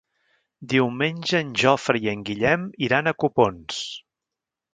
Diumenge en Jofre i en Guillem iran a Copons.